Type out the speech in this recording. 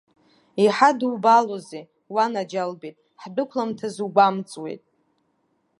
Иҳадубалозеи, уанаџьалбеит, ҳдәықәламҭаз угәамҵуеит!